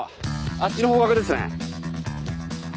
あっちの方角ですね。